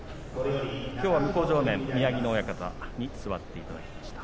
きょうは向正面、宮城野親方に座っていただいています。